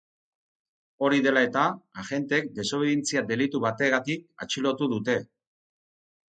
Hori dela eta, agenteek desobedientzia delitu bategatik atxilotu dute.